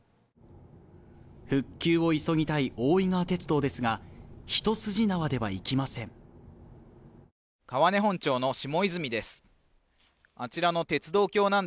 復旧を急ぎたい大井川鐵道ですが、一筋縄ではいきません。